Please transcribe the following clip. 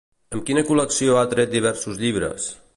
Amb quina col·lecció ha tret diversos llibres?